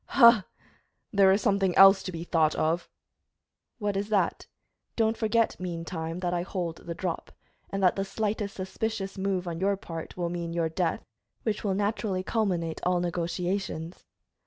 "Ha! there is something else to be thought of." "What is that? Don't forget, mean time, that I hold the drop, and that the slightest suspicious move on your part will mean your death, which will naturally culminate all negotiations."